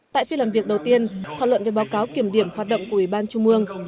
tại phiên làm việc đầu tiên thảo luận về báo cáo kiểm điểm hoạt động của ubnd